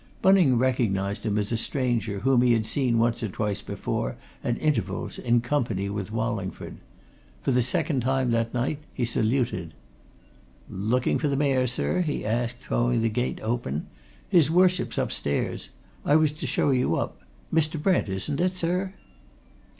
Bunning recognized him as a stranger whom he had seen once or twice before, at intervals, in company with Wallingford. For the second time that night he saluted. "Looking for the Mayor, sir?" he asked, throwing the gate open. "His Worship's upstairs I was to show you up. Mr. Brent, isn't it, sir?"